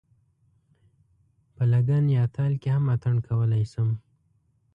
په لګن یا تال کې هم اتڼ کولای شم.